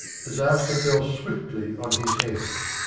Disaster fell swiftly on his head.